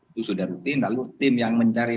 itu sudah rutin lalu tim yang mencari